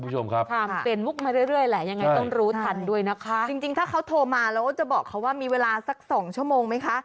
จริงถ้าเขาโทรมาเราจะบอกเขาว่ามีเวลาสัก๒ชั่วโมงไหมคะ